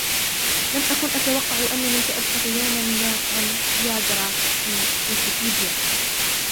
لم أكن أتوقع أنني سأبحث يومًا ما عن " فياغرا " في ويكيبيديا.